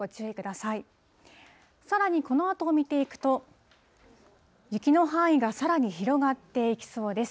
さらにこのあと見ていくと、雪の範囲がさらに広がっていきそうです。